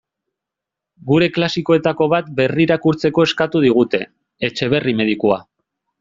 Gure klasikoetako bat berrirakurtzeko eskatu digute: Etxeberri medikua.